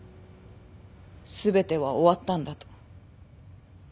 全ては終わったんだと。